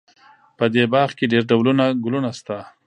په دې باغ کې ډېر ډولونه ګلونه شته